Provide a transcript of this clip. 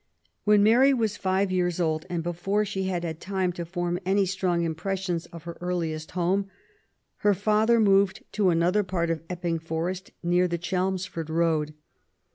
When Mary was five years old, and before she had had time to form any strong impressions of her earliest home, her father moved to another part of Epping Forest near the Chelmsford Road.